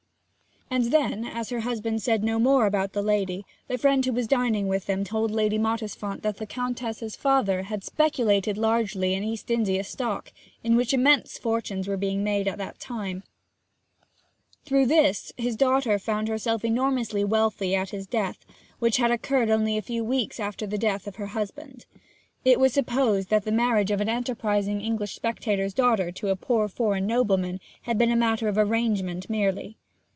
And then, as her husband said no more about the lady, the friend who was dining with them told Lady Mottisfont that the Countess's father had speculated largely in East India Stock, in which immense fortunes were being made at that time; through this his daughter had found herself enormously wealthy at his death, which had occurred only a few weeks after the death of her husband. It was supposed that the marriage of an enterprising English speculator's daughter to a poor foreign nobleman had been matter of arrangement merely.